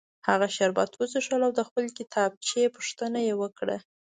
هغه شربت وڅښل او د خپلې کتابچې پوښتنه یې وکړه